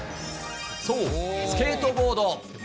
そう、スケートボード。